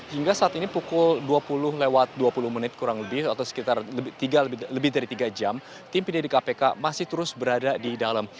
hingga saat ini pukul dua puluh lewat dua puluh menit kurang lebih atau sekitar lebih dari tiga jam tim penyidik kpk masih terus berada di dalam